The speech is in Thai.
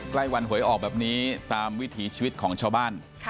ใกล้วันหวยออกแบบนี้ตามวิถีชีวิตของชาวบ้าน